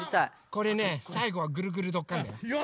これねさいごは「ぐるぐるどっかん！」だよ。